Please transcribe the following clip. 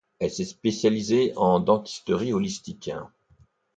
Elle s'est spécialisée en dentisterie holistique.